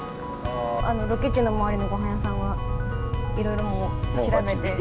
ロケ地の周りのごはん屋さんは、いろいろ調べて。